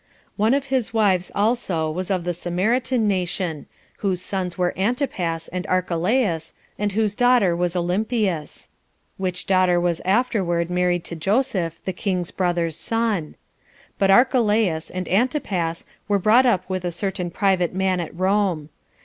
One of his wives also was of the Samaritan nation, whose sons were Antipas and Archelaus, and whose daughter was Olympias; which daughter was afterward married to Joseph, the king's brother's son; but Archelaus and Antipas were brought up with a certain private man at Rome.